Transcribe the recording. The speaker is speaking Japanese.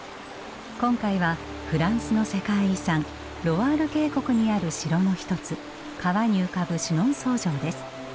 今回はフランスの世界遺産ロワール渓谷にある城の一つ川に浮かぶシュノンソー城です。